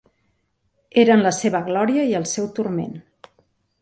Eren la seva glòria i el seu turment.